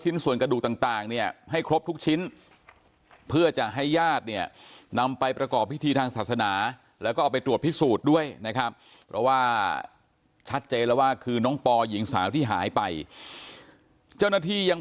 ด้วยนะครับเพราะว่าชัดเจนแล้วว่าคือน้องปอหญิงสาวที่หายไปเจ้าหน้าที่ยัง